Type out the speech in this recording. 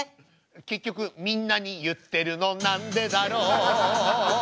結局みんなに言ってるのなんでだろう